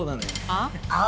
ああ？